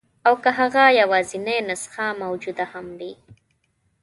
او که هغه یوازنۍ نسخه موجوده هم وي.